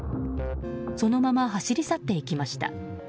そのまま走り去っていきました。